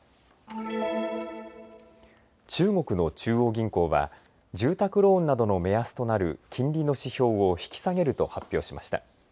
中国の中央銀行は住宅ローンなどの目安となる金利の指標を引き下げると発表しました。